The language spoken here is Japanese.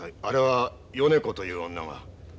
あれは米子という女が。